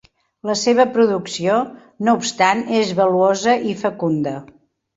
La seva producció, no obstant és valuosa i fecunda.